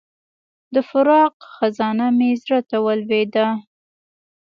د فراق خزانه مې زړه ته ولوېده.